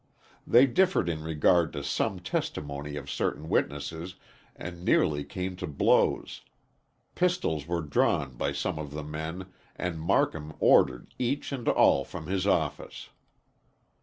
They differed in regard to some testimony of certain witnesses and nearly came to blows. Pistols were drawn by some of the men and Marcum ordered each and all from his office.